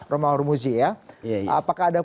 romahormuzi ya apakah ada